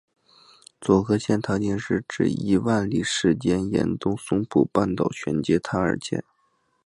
佐贺县唐津市至伊万里市间沿东松浦半岛玄界滩而建。